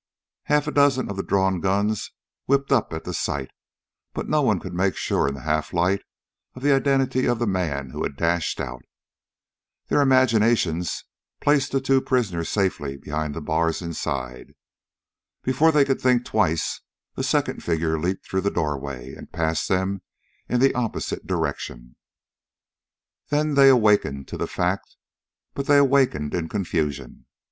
Half a dozen of the drawn guns whipped up at the sight, but no one could make sure in the half light of the identity of the man who had dashed out. Their imaginations placed the two prisoners safely behind the bars inside. Before they could think twice, a second figure leaped through the doorway and passed them in the opposite direction. Then they awakened to the fact, but they awakened in confusion.